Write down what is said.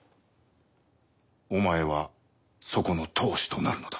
お前はそこの当主となるのだ。